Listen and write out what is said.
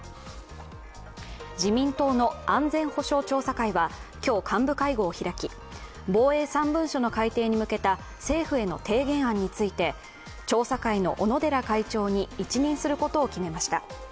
自民党の安全保障調査会は今日幹部会合を開き、防衛３文書の改定に向けた政府への提言案について調査会の小野寺会長に一任することを決めました。